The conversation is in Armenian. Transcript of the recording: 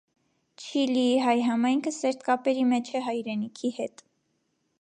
Չիլիի հայ համայնքը սերտ կապերի մեջ է հայրենիքի հետ։